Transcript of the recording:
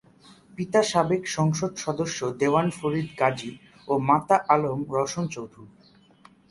পিতা সাবেক সংসদ সদস্য দেওয়ান ফরিদ গাজী ও মাতা আলম রওশন চৌধুরী।